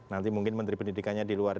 nanti mungkin menteri pendidikannya di luar